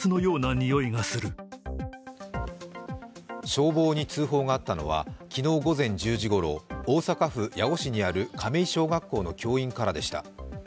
消防に通報があったのは昨日午前１０時ごろ、大阪府八尾市にある亀井小学校の教員からでした。